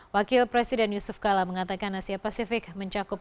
wakil presiden yusuf kala mengatakan asia pasifik mencakup